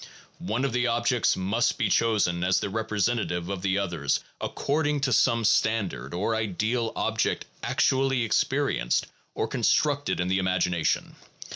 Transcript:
One of the objects must be chosen as the representative of the others according to some standard or ideal object actually experienced or constructed in the imagination.